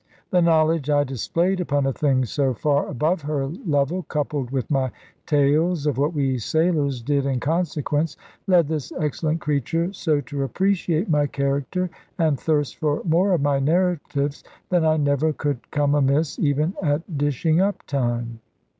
The knowledge I displayed upon a thing so far above her level, coupled with my tales of what we sailors did in consequence, led this excellent creature so to appreciate my character, and thirst for more of my narratives, that I never could come amiss, even at dishing up time.